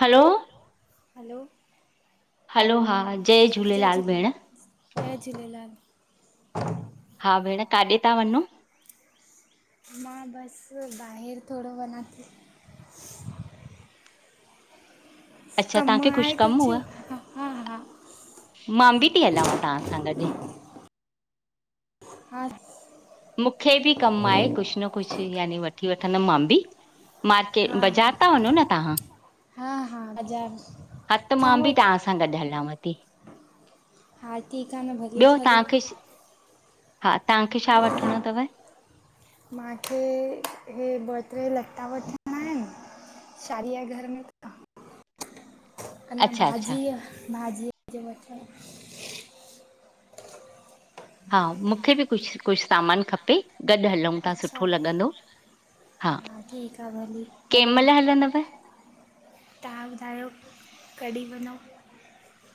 हलो hello hello हा हान जय झूलेलाल जय झूलेलाल हा भेण काॾे था वञो? मां बसि ॿाहिरि थोरो वञां थी अच्छा कमु तव्हांखे कुझु आहे कम हुअ हा हा हा मां बि थी हलांव तव्हां सां गॾु हा मूंखे बि कमु आहे कुझु न कुझु यानी वठी वठंदमि मां बि मार्केट हा हा बाज़ारि ता वञो न तव्हां? हा हा बज़ार हा त मां बि तव्हां सां गॾु हलांव थी हा ठीक आ न ॿियो भलेश हलो तव्हांखे छ- हा तव्हांखे छा वठिणो थव? मांहखे इहे ॿ ट्रे लता वठणा आहिनि शादी आह घर में त अना अच्छा अच्छा भाॼीअ भाॼी जे वठ हा मूंखे बि कुझु कुझु सामानु खपे गॾु हलूं था अच्छा सुठो लॻंदो हा हा ठीकु आह भलीे कंहिं हलो महिल कहिंमल हलंदव? तव्हां ॿुधायो कॾहिं वञो?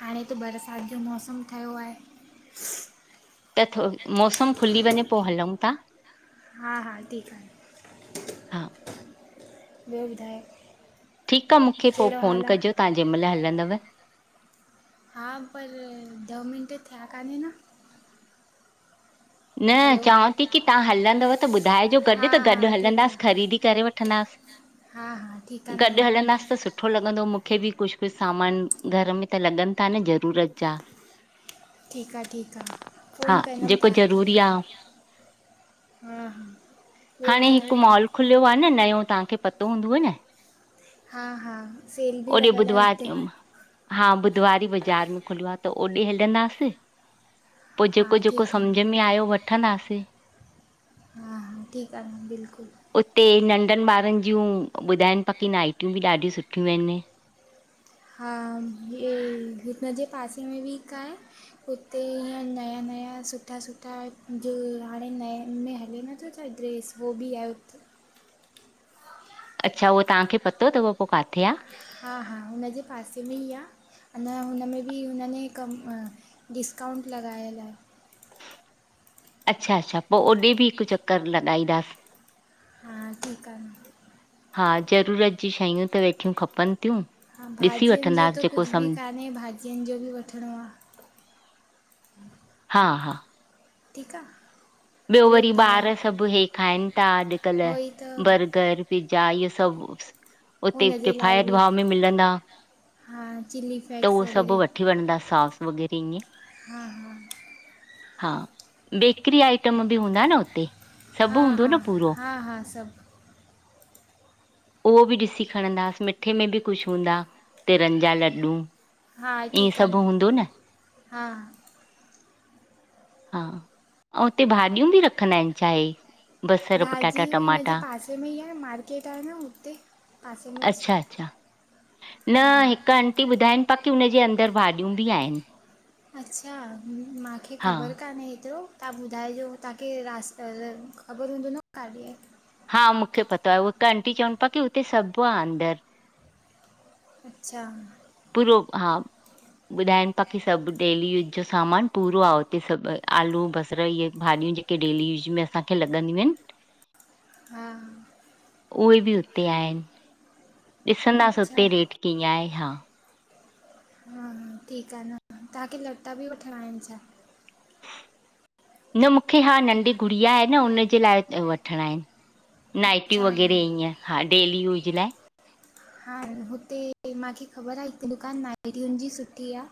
हाणे त बरसाति जो मौसमु ठहियो आहे त थो मौसम खुली वञे पोइ हलूं था हा हा ठीकु आहे हा ॿियो बुधायो? ठीकु आहे मूंखे पोइ फ़ोन कजो तव्हां जंहिं महिल हलंदव हा पर ॾह मिंट थिया कान्हे न न हलो चवां थी की तव्हां हलंदव त ॿुधाइजो हा गॾु त हा गॾु ठीकु हलंदासीं आहे ख़रीदी करे हा हा ठीकु वठंदासीं आहे न गॾु हलंदासीं त सुठ सुठो लॻंदो मूंखे बि कुझु कुझु सामान घर में त लॻनि था न ज़रूरत जा ठीकु आहे ठीकु आहे हा फोन कंदमि जेको तव्हां ज़रूरी आहे हा हा ॿयो हाणे बुधायो? हिकु मॉल खुलियो आहे नयों तव्हांखे पतो हूंदव न हा हा सेल बि ओॾे लॻियल आहे बुधवार हुते हा बुधवारी ई बाज़ारि में खुलियो आह त ओॾे हलंदासीं पो हा जेको जेको ठीकु सम्झ आहे में आयो वठंदासीं हा हा ठीकु आहे न बिल्कुलु उते नंढनि ॿारनि जियूँ ॿुधाइनि पकी नाइटियूं बि ॾाढियूं सुठियूं आहिनि हा हे हिन जे पासे में बि हिक आहे हुते ईअं नया-नया, सुठा-सुठा जे हाणे नए में हले न उते छाहे ड्रेस हो बि आहे हुत अच्छा उहो तव्हांखे पतो अथव पो काथे आ? हा हा हुनजे पासे में ई आ अञा हुनमें बि हुनने कम डिस्काउंट लॻायल आ। अच्छा-अच्छा पो ओॾे बि हिकु चकर लॻाईंदासीं। हा ठीकु आ न। हा ज़रूरत जी शयूं त वेठियूं खपनि थियूं। हा ॾिसी भाजियुनि जो वठंदासीं त जेको कुझु सम बि कान्हे, भाजियुनि जो बि वठिणो आ। हा हा। ठीकु आ। ॿियो वरी ॿार सभु हे खाइनि था हो ई त अॼुकल्ह बर्गर पिज़्ज़ा इहो सभु उते हुन जे लाइ किफ़ायत बि भाव में मिलंदा, हा चिली त फ्लेक्स उहो सभु वग़ैरह वठी वनदा सास। वग़ैरह ईंअ हा हा हा बेकरी आइटम बि हूंदा न हुते? हा सभु हूंदो हा न पूरो? हा हा सभु। उहो बि ॾिसी खणंदासि, मिठे में बि कुझु हूंदा तिरनि जा लॾूं। हा ईअं ठीकु आ न, सभु हूंदो हा। हा अऊं हुते भाॼियूं बि रखंदा आहिनि छा हे? बसर, पटाटा, भाजियूं हुनजे टमाटा पासे में ई आ न मार्केट आ न हुते पासे में इच। अच्छा अच्छा न हिकु आंटी ॿुधाइनि पा की हुनजे अंदरि भाॼियूं बि आहिनि। अच्छा माखे हा ख़बर कान्हे एतिरो। तव्हां ॿुधाइजो तव्हांखे रास् तर ख़बर हूंदो न काॾे ए हा मूंखे पतो आहे, उह हिक अंटी चवनि पिया की हुते सभु आ अंदरु। अच्छा पूरो हा ॿुधाइनि ताक़ी सभु डेली यूज जो सामान पूरो आ उते सभु, आलू, बसर इहे भाॼियूं जेक के डेली यूस में असांखे लॻंदियूं आहिनि। हा उहे बि उते आहिनि। ॾिसंदासीं अच्छा हा उते रेट कीअं आहे हा। हा ठीकु आ न। तव्हांखे लटा बि वठिणा आहिनि छा? न, मूंखे हा नंढी गुड़िया आहे न हुनि जे लाइ वठिणा आहिनि। नाइटियूं अच्छा वग़ैरह ईअं हा डेली यूज लाइ। हा, हुते माखे ख़बर आ, हिकु दुकानु नाइटीयुनि जी सुठी आ।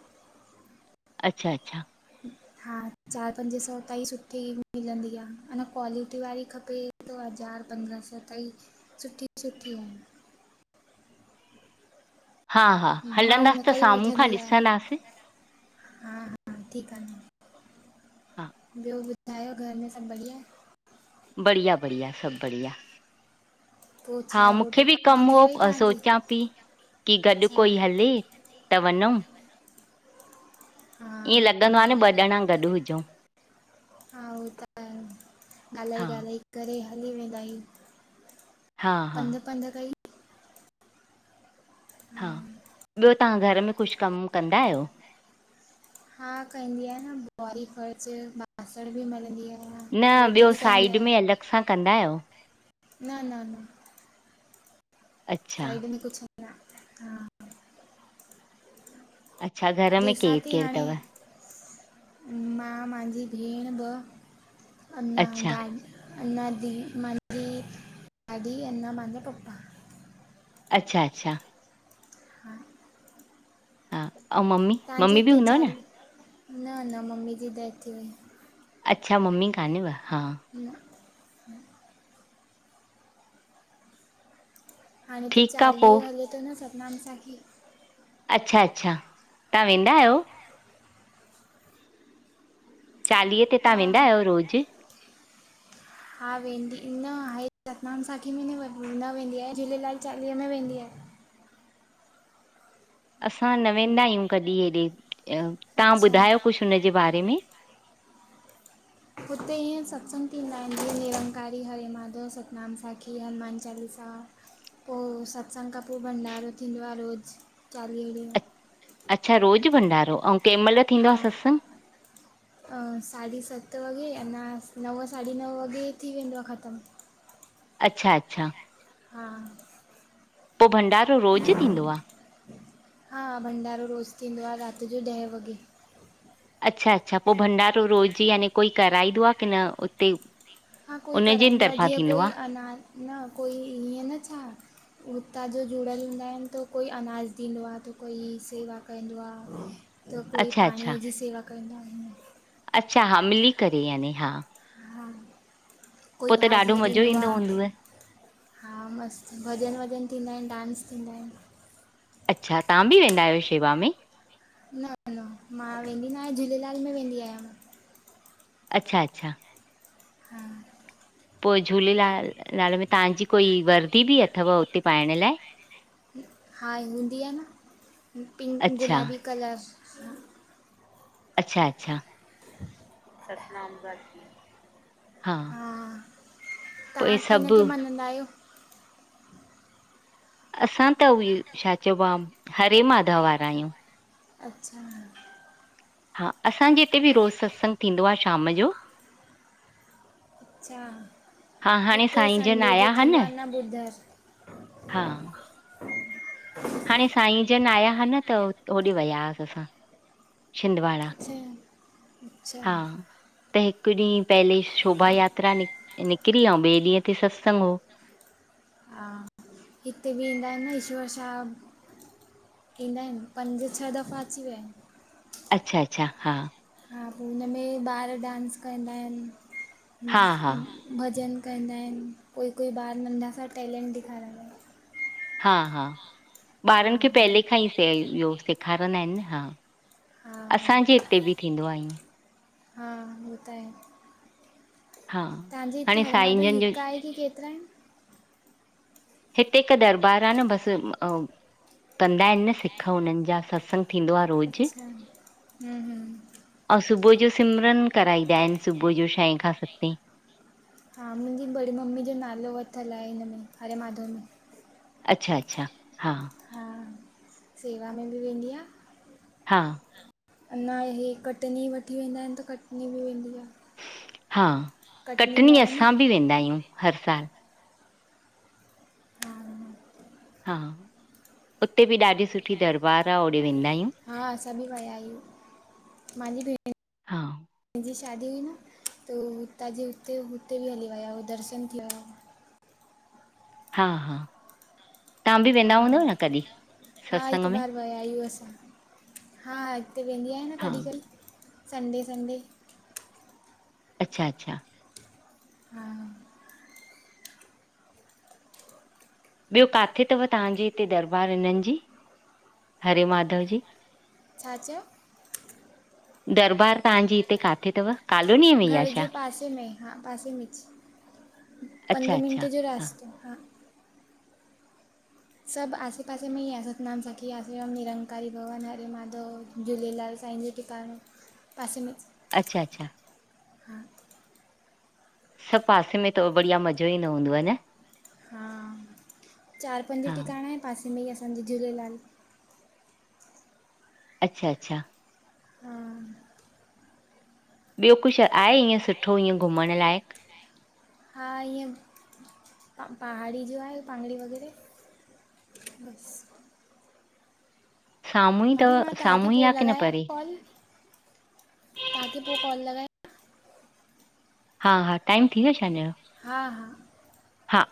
अच्छा, अच्छा। हा चारि पंज सौ ताईं सुठी मिलंदी आ। अना क्वालिटी वारी खपे दो हज़ार, पंद्रहं सौ ताईं सुठी सुठियूं हा हा मां हलंदासीं त हुनखां ई साम्हूं खां वठंदी आहियां, ॾिसंदासीं हा ह ठीकु आ हा न। ॿियो ॿुधायो घर में सभु बढ़िया? बढ़िया, बढ़िया सभु बढ़िया। पोइ हा छा मूंखे रोटी बि पाणी कमु हो थी वई अ तव्हांजी सोचां पी की गॾु अच्छा कोई हले। त वञऊँ? हा ईअं लॻंदो आ न ॿ ॼणा गॾु हुजऊं। हा उहो त हा अललाएॻाल [inaudible] [unintelligible] करे हली वेंदा आहियूं। हा हा पंध-पंध कई हा ॿियो तव्हां घर में कुझु कमु कंदा आहियो? हा कंदी आहियां न ॿुहारी, फ़रछ, [unintelligible] बासण बि मलंदी आ। न, ॿियो साइड में अलॻि सां कंदा आहियो? न न न अच्छा साइड में कुझु न हा अच्छा! घर में जंहिंसां केरु थी केरु हाणे तव? मां, मांजी भेण ॿ, अना अच्छा दादी अना दी मुहिंजी, दादी अना मुहिंजा पपा। अच्छा अच्छा हा ऐं हा अऊं मम्मी तव्हांजे मम्मी हिते बि हूंदव न चाली [unintelligible] न न मम्मी जी डेथ थी वई अच्छा मम्मी कानेव हा [inaudible] हाणे त ठीकु आहे पोइ चार्लयों हले तो न सतनाम साखी अच्छा अच्छा तव्हां वेंदा आहियो चालीहे ते तव्हां हा वेंदा आहियो रोज़ु हा वेंदी न आहे सतनाम साखी में न न वेंदी आहे झूलेलाल चालीहे में वेंदी आयां असां न वेंदा आहियूं कॾहिं हेॾे तव्हां अच्छा ॿुधायो कुछ हुनजे बारे में हुते ईयं सत्संग थींदा‌ आहिन जीयं निरंकारी हरे माधव सतनाम साखी हनुमान चालीसा पो सत्संग खां पो भंडारो थींदो आ रोज़ु चालीह ॾींहं अ- अच्छा रोज़ु भंडारो अऊं कंहिंमहिल थींदो आ सत्संग अं साढी सत वॻे अञा नव साढी नव वॻे थी वेंदो आ ख़तमु अच्छा अच्छा हा पो भंडारो रोज़ु थींदो आ हा भंडारो रोज़ थींदो आ राति जो ॾहें वॻे अच्छा अच्छा पो भंडारो रोज़ यानी कोई कराईंदो आ की न उते हा कोई उन जे कराईंदो आ तरफ़ां जीअं थींदो कोई आहे अञा न कोई हीअं न छा हुतां जो जुड़ियल हूंदा आहिन त कोई अनाज ॾींदो आ त कोई सेवा कंदो आ त कोई अच्छा अच्छा पाणीअ जी सेवा कंदा आहिनि अच्छा हा मिली करे यानी हा हा कोई पोइ त ॾाढो भाॼी मज़ो ॾिंदो आ ईंदो हूंदव हा मस्तु भॼन वॼन थींदा आहिन डांस थींदा आहिन अच्छा तव्हां बि वेंदा आहियो शेवा में न न मां वेंदी न आहियां झूलेलाल में वेंदी आहियां अच्छा अच्छा हा पो झूलेलाल लाल में तव्हांजी कोई वर्दी बि अथव उते पाइण लाइ हा हूंदी आ न पिंक अच्छा गुलाबी कलर अच्छा अच्छा सतनाम साखी हा पोइ तव्हां कि सभु नखे मञंदा आहियो? असां त उहे छा चइबो आ हरे माधव वारा आहियूं अच्छा हा असांजे हिते बि रोज़ु सत्संग थींदो आ शाम जो अच्छा हा हाणे हिते साईं जन संडे जो आया हा थींदो आ न ॿुधरु हा हाणे साईं जन आया हा न त होॾे वया हास असां छिंदवाड़ा अच्छा अच्छा हा त हिकु ॾींहुं पहले शोभा यात्रा निक निकरी अऊं ॿिए ॾींहं ते सत्संग हो हा हित बि ईंदा आहिनि न ईश्वर शाहब ईंदा आहिनि पंज छह दफ़ा अची विया आहिनि अच्छा अच्छा हा हा पो हुनमें ॿार डांस कंदा आहिनि हूं हा हा हूं भॼन कंदा आहिनि कोई कोई ॿार नंढा सां टेलेंट ॾेखारंदा हा हा हा ॿारनि खे पहले खां ई सेहीॾियोस सेखारींदा आहिनि न हा हा असांजे हिते बि थींदो आहे ईअं हा हो त आहे हा तव्हांजे हिते हाणे साईं हरिमादल जन जो हिकु आहे की केतिरा आहिनि? हिते हिकु दरबार आहे न बसि अऊं कंदा आहिनि न सिख हुननि जा सत्संग थींदो आहे रोज़ु हूं हूं ऐं सुबुह जो सिमरन कराईॾा आहिनि सुबुह जो छहें खां सतें हा मुंहिंजी बड़ी मम्मी जो नालो वठलु आहे हिन में हरे माधव में अच्छा अच्छा हा हा सेवा में बि वेंदीयां हा अञा इहे कटनी वठी वेंदा आहिनि त कटनी बि वेंदी आहे हा में कटनी आहे न असां बि वेंदा आहियूं हर साल हा हा उते बि ॾाढी सुठी दरबारु आहे ओॾे वेंदा आहियूं हा असां बि वया आहियूं मांहिंजी भेण हा हिंजी शादी हुई न त उ हुतां जी हुते हुते बि हली विया हुो दर्शनु थी वि हुआ हा हा तव्हां बि हा वेंदा हूंदव न कॾहिं? हा सत्संग हिकु में बार विया आहियूं असां हा हा हिते वेंदी आहियां न हा कॾहिं कॾहिं संडे संडे अच्छा अच्छा हा ॿियो काथे थव तव्हांजे हिते दरबार हिननि जी हरे माधव जी? छा चयव? [inaudible] दरबार तव्हांजी हिते काथे थव कालोनीअ में ई आहे घर छा? जे [inaudible] पासे में हा पासे में ज पंज अच्छा अच्छा मिंट जो रास्तो हा सभु आसे पासे में ई आह सतनाम सखी आसरम निरंकारी भवन हरे माधव झूलेलाल साईं जी टिक काणों पासे में अच्छा अचछा हा सभु पासे में तव बढ़िया मज़ो ईंदो हूंदुव न हा चारि पंज हा टिकाणा ऐं पासे में ई असांजे झूलेलाल अच्छा अच्छा हा ॿियो कुझु आहे ईअं सुठो ईअं घुमण लाइक़ु हा ईअं पहाड़ी जो आहे पहाड़ी वग़ैरह बस साम्हूं ई तव भाभी मां तव्हांखे साम्हूं ई पोइ आ की न लॻायाव परे? कॉल तव्हांखे पोइ कॉल लगा हा हा टाइम थी वियो छा हिनज जो हा हा हा